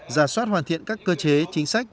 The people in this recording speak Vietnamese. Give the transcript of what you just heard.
giả soát hoàn thiện các cơ chế chính sách